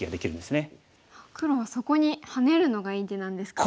黒はそこにハネるのがいい手なんですか。